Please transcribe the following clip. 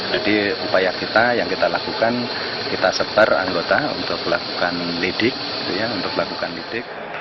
jadi upaya kita yang kita lakukan kita sebar anggota untuk melakukan lidik